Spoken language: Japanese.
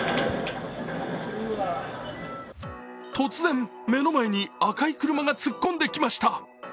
突然、目の前に赤い車が突っ込んできました。